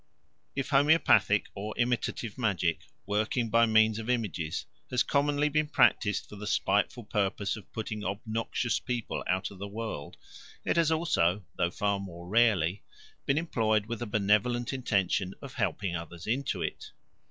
If homoeopathic or imitative magic, working by means of images, has commonly been practised for the spiteful purpose of putting obnoxious people out of the world, it has also, though far more rarely, been employed with the benevolent intention of helping others into it.